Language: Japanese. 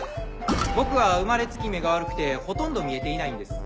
僕は生まれつき目が悪くてほとんど見えていないんです。